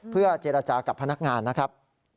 เพื่อเจรจากับพนักงานนะครับ